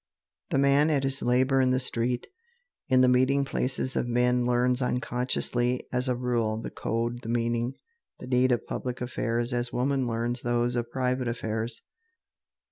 The man at his labor in the street, in the meeting places of men, learns unconsciously, as a rule, the code, the meaning, the need of public affairs as woman learns those of private affairs.